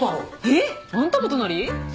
えっ！？あんたも隣？